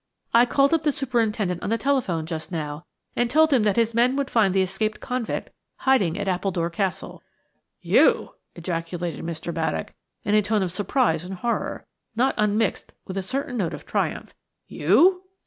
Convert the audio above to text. "I called up the superintendent on the telephone just now, and told him that his men would find the escaped convict hiding at Appledore Castle." "You!" ejaculated Mr. Baddock, in a tone of surprise and horror, not unmixed with a certain note of triumph. "You?"